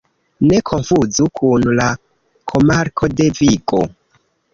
Ne konfuzu kun la komarko de Vigo.